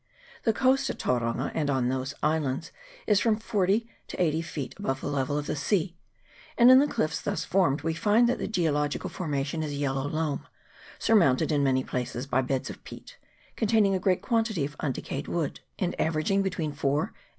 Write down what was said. The coast at Tauranga and on those islands is from forty to eighty feet above the level of the sea, and in the cliffs thus formed we find that the geological formation is a yellow loam, surmounted in many places by beds of peat, containing a great quantity of undecayed wood, and averaging between four and CHAP. XXVII.] ISLANDS.